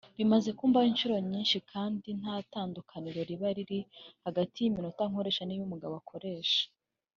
bimaze kumbaho inshuro nyinshi kandi nta tandukaniro riba riri hagati y’iminota nkoresha n’iyo umugabo akoresha